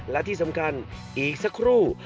และที่สำคัญอีกสักครู่